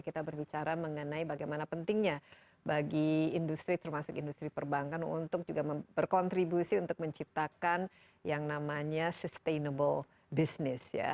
kita berbicara mengenai bagaimana pentingnya bagi industri termasuk industri perbankan untuk juga berkontribusi untuk menciptakan yang namanya sustainable business ya